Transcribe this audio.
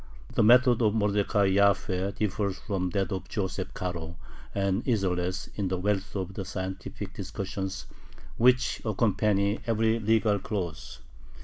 " The method of Mordecai Jaffe differs from that of Joseph Caro and Isserles in the wealth of the scientific discussions which accompany every legal clause.